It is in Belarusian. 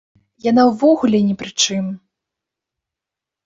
Яна ўвогуле ні пры чым!